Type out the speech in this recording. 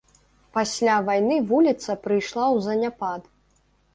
Пасля вайны вуліца прыйшла ў заняпад.